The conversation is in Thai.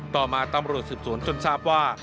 ต่อมาตำรวจสืบสวนจนทราบว่า